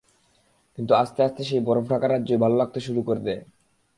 কিন্তু আস্তে আস্তে সেই বরফঢাকা রাজ্যই ভালো লাগতে শুরু করে দেয়।